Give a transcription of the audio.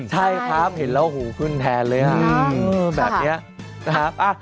ใช่ครับเห็นแล้วหูขึ้นแทนเลยฮะ